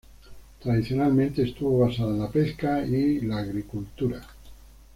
Tradicionalmente estuvo basada en la pesca y la agricultura.